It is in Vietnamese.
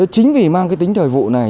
chính vì mang cái tính thời vụ này